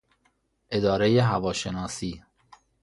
ادارهی هواشناسی